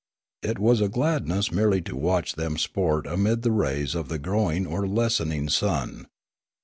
It was a gladness merely to watch them sport amid the rays of the grow ing or lessening sun.